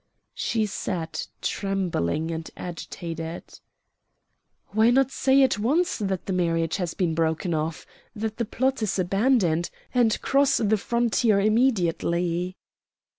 She sat trembling and agitated. "Why not say at once that the marriage has been broken off, that the plot is abandoned, and cross the frontier immediately?"